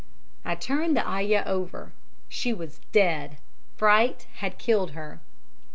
"I turned the ayah over she was dead! Fright had killed her!